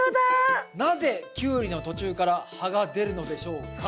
「なぜキュウリの途中から葉が出るのでしょうか」。